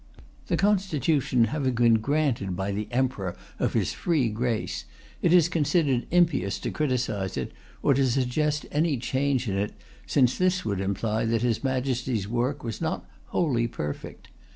The Constitution having been granted by the Emperor of his free grace, it is considered impious to criticize it or to suggest any change in it, since this would imply that His Majesty's work was not wholly perfect.